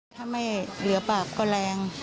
ถ้าไม่เหลือปากก็แรง